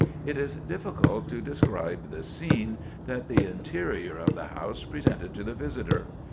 It is difficult to describe the scene that the interior of the house presented to the visitor.